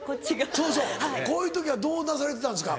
そうそうこういう時はどうなされてたんですか？